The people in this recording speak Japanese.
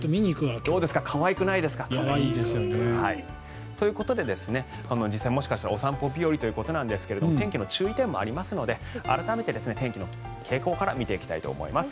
可愛くないですか？ということで実際にもしかしたらお散歩日和なんですが天気の注意点もありますので改めて天気の傾向から見ていきたいと思います。